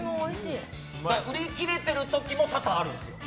売り切れている時も多々あるんですよ。